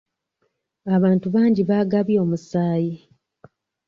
Abantu bangi baagabye omusaayi.